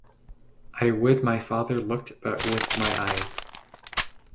I would my father look'd but with my eyes.